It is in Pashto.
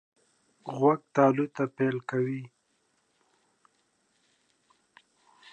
غوږ تالو ته پایل کوي.